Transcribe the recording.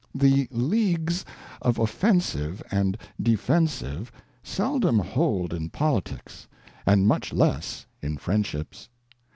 The Leagues Offensive and Defensive, seldom hold in Politicks, and much less in Friendships.